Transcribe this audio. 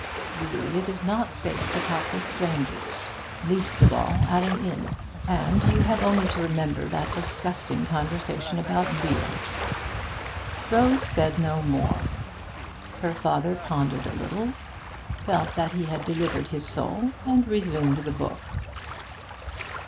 Really, it is not safe to talk with strangers least of all at an inn. And you have only to remember that disgusting conversation about beer!' Rose said no more. Her father pondered a little, felt that he had delivered his soul, and resumed the book.